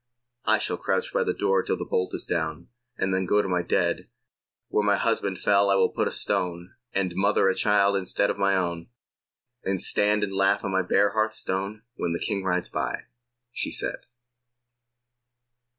I shall crouch by the door till the bolt is down, And then go in to my dead. Where my husband fell I will put a stone, And mother a child instead of my own, And stand and laugh on my bare hearth stone When the King rides by, she said.